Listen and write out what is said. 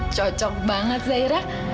cocok banget zaira